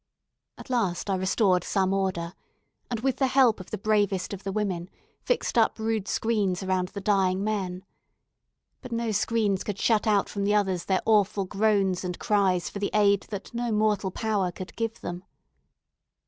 At last I restored some order; and, with the help of the bravest of the women, fixed up rude screens around the dying men. But no screens could shut out from the others their awful groans and cries for the aid that no mortal power could give them.